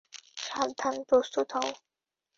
সাবধান প্রস্তুত হও।